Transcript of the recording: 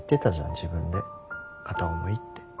自分で片思いって。